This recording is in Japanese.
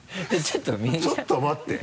ちょっと待って。